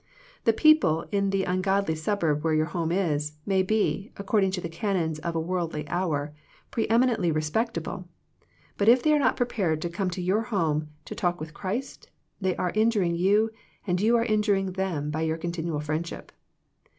The people in the ungodly suburb where your home is, may be, according to the canons of a worldly hour, preeminently re spectable, but if they are not prepared to come to your home to talk with Christ, they are injuring you and you are injuring them by your continued friendship.